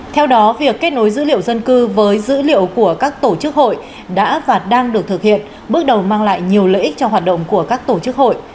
theo đó việc kết nối dữ liệu dân cư với dữ liệu của các tổ chức hội đã và đang được thực hiện bước đầu mang lại nhiều lợi ích cho hoạt động của các tổ chức hội